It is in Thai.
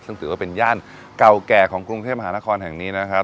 ซึ่งถือว่าเป็นย่านเก่าแก่ของกรุงเทพมหานครแห่งนี้นะครับ